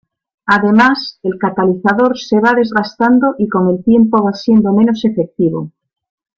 Además, el catalizador se va desgastando y con el tiempo va siendo menos efectivo.